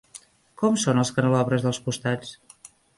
Com són els canelobres dels costats?